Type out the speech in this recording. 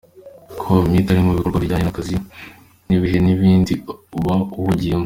com: Iyo utari mu bikorwa bijyanye n’akazi, ni ibihe bindi uba uhugiyemo ?.